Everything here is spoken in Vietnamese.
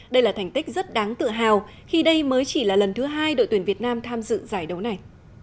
đây là thành tích rất đáng tự hào khi đây mới chỉ là lần thứ hai đội tuyển việt nam tham dự giải đấu này